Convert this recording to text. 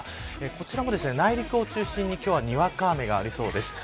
こちらも内陸を中心に今日はにわか雨がありそうです。